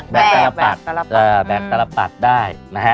แบกแบกตลปัดได้นะฮะ